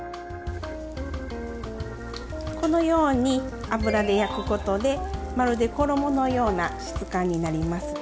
このように油で焼くことでまるで衣のような質感になります。